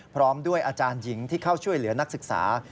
พร้อมด้วยอาจารย์หญิงที่เข้าช่วยเหลือนักศึกษา